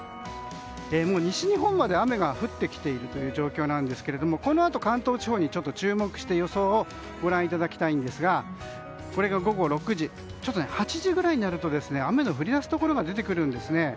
西日本まで雨が降ってきているという状況なんですがこのあと関東地方に注目して予想をご覧いただきたいんですが８時ぐらいになると雨が降り出すところが増えてくるんです。